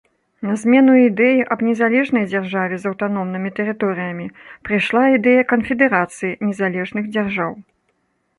На змену ідэі аб незалежнай дзяржаве з аўтаномнымі тэрыторыямі прыйшла ідэя канфедэрацыі незалежных дзяржаў.